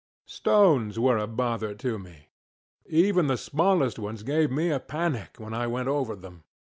ŌĆØ Stones were a bother to me. Even the smallest ones gave me a panic when I went over them.